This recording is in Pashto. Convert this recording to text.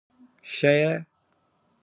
ښيي !.